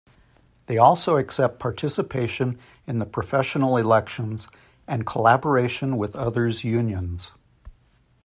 They also accept participation in the professional elections and collaboration with others unions.